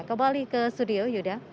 kembali ke studio yuda